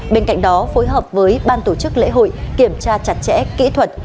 bên cạnh đó phối hợp với ban tổ chức lễ hội kiểm tra chặt chẽ kỹ thuật